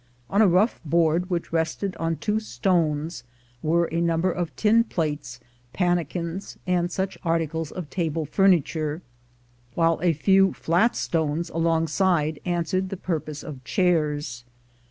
On a rough board which rested on two stones were a number of tin piates, pannikins, and such articles of table furniture, while a few flat stones alongside answered the pur pose of chairs.